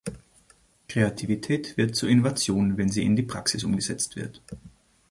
Kreativität wird zu Innovation, wenn sie in die Praxis umgesetzt wird.